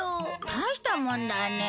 大したもんだね。